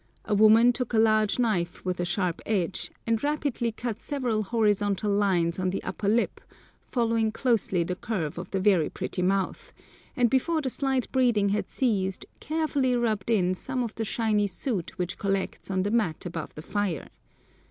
A woman took a large knife with a sharp edge, and rapidly cut several horizontal lines on the upper lip, following closely the curve of the very pretty mouth, and before the slight bleeding had ceased carefully rubbed in some of the shiny soot which collects on the mat above the fire.